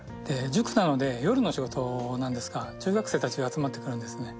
塾なので夜の仕事なんですが中学生たちが集まってくるんですね。